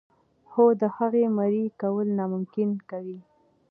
خو د هغه مريي کول ناممکن کوي.